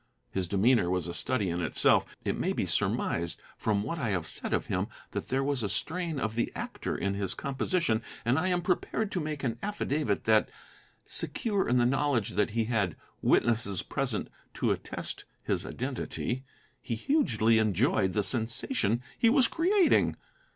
His demeanor was a study in itself. It may be surmised, from what I have said of him, that there was a strain of the actor in his composition; and I am prepared to make an affidavit that, secure in the knowledge that he had witnesses present to attest his identity, he hugely enjoyed the sensation he was creating.